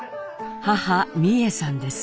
母美惠さんです。